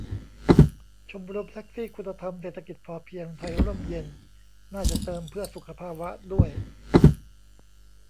ชมรมแท็กซี่คุณธรรมเศรษฐกิจพอเพียงไทยร่มเย็น น่าจะเติม 'เพื่อสุขภาวะ' ด้วย